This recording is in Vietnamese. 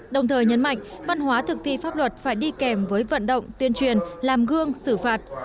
đồng thời nhấn mạnh văn hóa thực thi pháp luật phải đi kèm với vận động tuyên truyền làm gương xử phạt